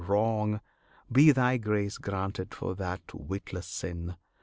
wrong, Be Thy grace granted for that witless sin!